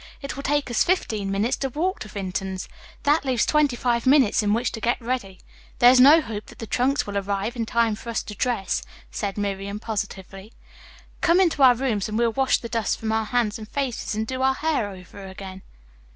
It will take us fifteen minutes to walk to Vinton's. That leaves twenty five minutes in which to get ready." "There is no hope that the trunks will arrive in time for us to dress," said Miriam positively. "Come into our room and we'll wash the dust from our hands and faces and do our hair over again."